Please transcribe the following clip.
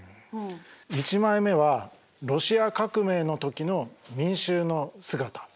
１枚目はロシア革命の時の民衆の姿。